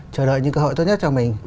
chờ đợi những cơ hội tốt nhất cho mình